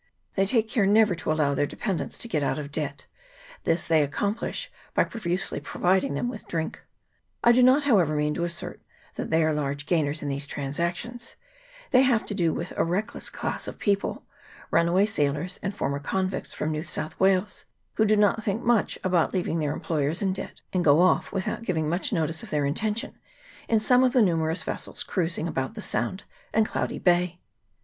They take care never to allow their dependents to get out of debt ; this they ac complish by profusely providing them with drink. I do not, however, mean to assert that they are large gainers in these transactions ; they have to do with a reckless class of people, runaway sailors and for mer convicts from New South Wales, who do not think much about leaving their employers in debt, and go off, without giving much notice of their in tention, in some of the numerous vessels cruising about the Sound and Cloudy Bay.